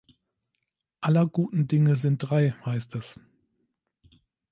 Aller guten Dinge sind drei, heißt es.